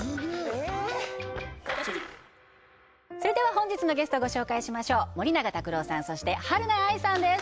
本日のゲストご紹介しましょう森永卓郎さんそしてはるな愛さんです